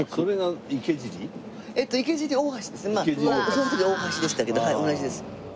その時は大橋でしたけどはい同じです。